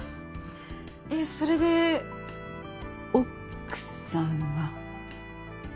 えそれで奥さんは？